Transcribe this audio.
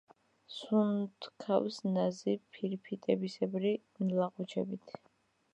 სუნთქავს ნაზი ფირფიტისებრი ლაყუჩებით.